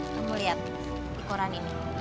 tunggu lihat di koran ini